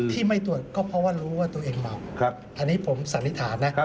ที่ไม่ตรวจก็เพราะว่ารู้ว่าตัวเองเมาอันนี้ผมสันนิษฐานนะ